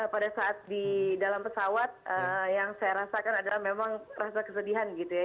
pada saat di dalam pesawat yang saya rasakan adalah memang rasa kesedihan gitu ya